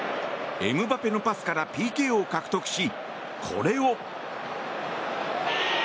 エムバペのパスからＰＫを獲得し、これを。